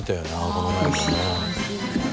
この前もね。